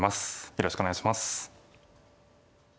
よろしくお願いします。